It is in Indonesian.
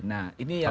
nah ini yang